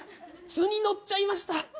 図に乗っちゃいました。